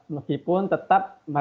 meskipun tetap mereka berpengaruh